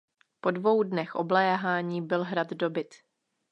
Po dvou dnech obléhání byl hrad dobyt.